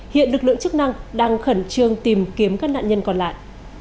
hiện lực lượng chức năng đang khẩn trương tìm kiếm các nạn nhân còn lại